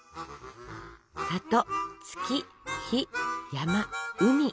「里」「月」「日」「山」「海」